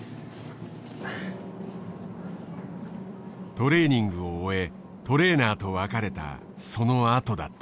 トレーニングを終えトレーナーと別れたそのあとだった。